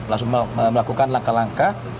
langsung melakukan langkah langkah